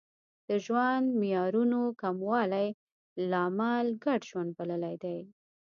د ژوند معیارونو کموالی لامل ګډ ژوند بللی دی